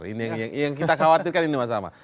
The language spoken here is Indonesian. ini yang kita khawatirkan ini mas ama